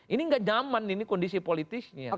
ini gak nyaman ini kondisi politiknya